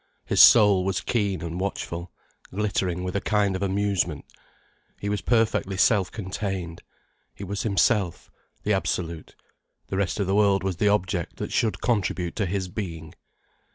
His soul was keen and watchful, glittering with a kind of amusement. He was perfectly self contained. He was himself, the absolute, the rest of the world was the object that should contribute to his being.